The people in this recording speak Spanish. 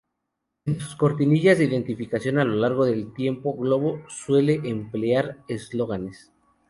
En sus cortinillas de identificación a lo largo del tiempo Globo suele emplear eslóganes.